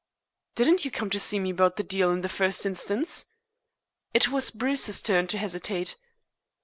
"Didn't you come to see me about the deal in the first instance?" It was Bruce's turn to hesitate.